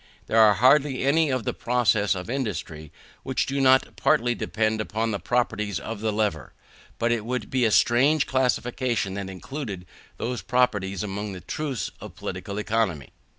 There are hardly any of the processes of industry which do not partly depend upon the properties of the lever; but it would be a strange classification which included those properties among the truths of Political Economy.